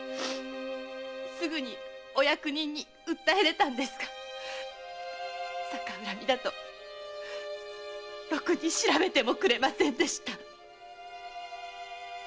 すぐにお役人に訴え出たのですが逆恨みだとろくに調べてもくれませんでした！